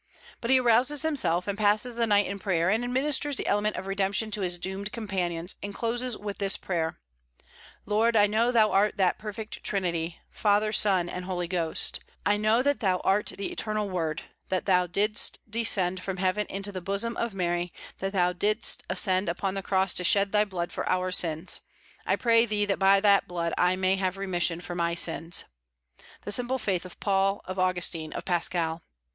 But he arouses himself, and passes the night in prayer, and administers the elements of redemption to his doomed companions, and closes with this prayer: "Lord, I know thou art that perfect Trinity, Father, Son, and Holy Ghost; I know that thou art the eternal Word; that thou didst descend from heaven into the bosom of Mary; that thou didst ascend upon the cross to shed thy blood for our sins. I pray thee that by that blood I may have remission for my sins." The simple faith of Paul, of Augustine, of Pascal!